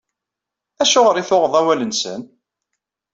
Acuɣer i tuɣeḍ awal-nsen?